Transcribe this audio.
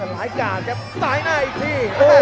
หลายการครับซ้ายหน้าอีกที